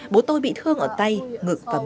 bố tôi bị thương ở tay ngực và miệng